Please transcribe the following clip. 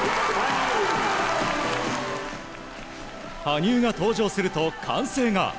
羽生が登場すると歓声が。